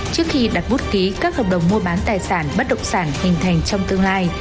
trước khi đặt bút ký các hợp đồng mua bán tài sản bất động sản hình thành trong tương lai